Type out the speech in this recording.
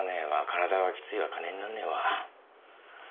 体はきついわ金になんねぇわ。